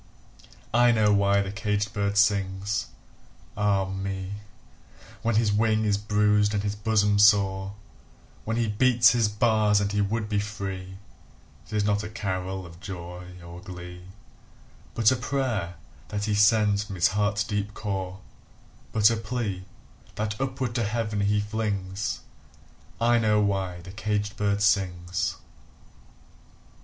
I know why the caged bird sings, ah me, When his wing is bruised and his bosom sore, When he beats his bars and he would be free; It is not a carol of joy or glee, But a prayer that he sends from his heart's deep core, But a plea, that upward to Heaven he flings I know why the caged bird sings!